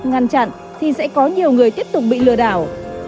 ngăn chặn thì sẽ có nhiều người tiếp tục bị lừa đảo